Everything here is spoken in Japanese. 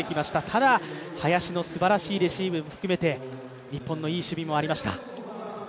ただ林のすばらしいレシーブ含めて、日本のいい守備もありました。